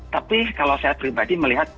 tapi kalau saya pribadi melihat